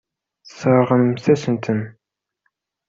Tesseṛɣemt-asent-ten.